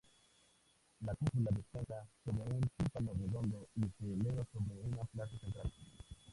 La cúpula descansa sobre un tímpano redondo y se eleva sobre una plaza central.